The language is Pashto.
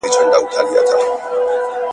• الوپه شوتالو پېوند دي.